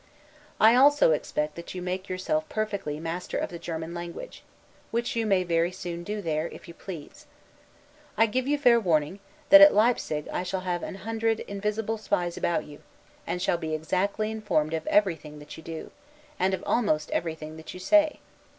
I also expect that you make yourself perfectly master of the German language; which you may very soon do there, if you please. I give you fair warning, that at Leipsig I shall have an hundred invisible spies about you; and shall be exactly informed of everything that you do, and of almost everything that you say.